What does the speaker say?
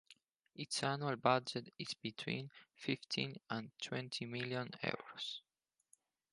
Its annual budget is between fifteen and twenty million euros.